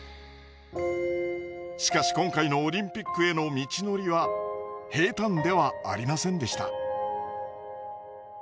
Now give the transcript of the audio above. しかし今回のオリンピックへの道のりは平たんではありませんでした。